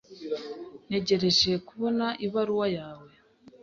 Ntegereje kubona ibaruwa yawe.